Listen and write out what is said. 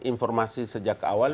informasi sejak awal